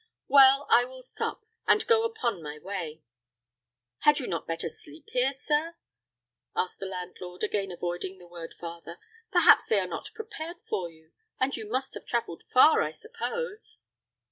"Well, I will sup, and go on upon my way." "Had you not better sleep here, sir?" asked the landlord, again avoiding the word father; "perhaps they are not prepared for you, and you must have traveled far, I suppose."